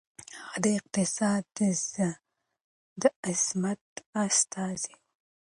هغه د افغانستان د عظمت استازی و.